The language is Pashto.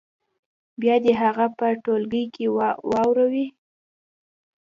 بیا دې هغه په ټولګي کې واوروي.